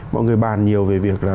mọi người bàn nhiều về việc là